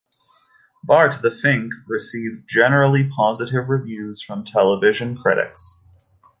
"Bart the Fink" received generally positive reviews from television critics.